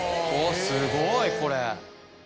すごいこれ！